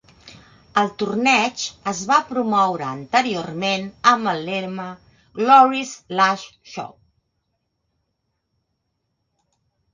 El torneig es va promoure anteriorment amb el lema "Glory's Last Shot".